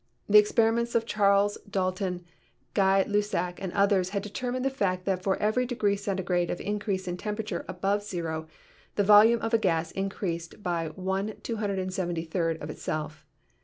The experiments of Charles, Dalton, Gay . Lussac and others had determined the fact that for every degree Centigrade of increase in temperature above zero the volume of a gas increased by 273 of itself.